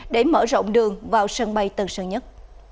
để mở rộng đường vào sân bay tân sơn nhất